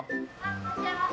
いらっしゃいませ。